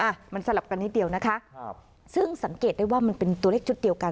อ่ะมันสลับกันนิดเดียวนะคะครับซึ่งสังเกตได้ว่ามันเป็นตัวเลขชุดเดียวกัน